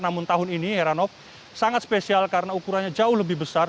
namun tahun ini heranov sangat spesial karena ukurannya jauh lebih besar